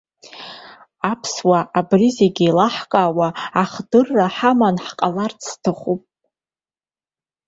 Аԥсуаа абри зегьы еилаҳкаауа ахдырра ҳаманы ҳҟаларц сҭахуп.